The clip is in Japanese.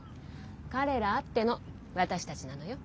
彼らあっての私たちなのよ。